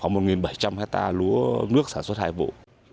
khoảng một bảy trăm linh hectare lúa nước sản xuất hai vụ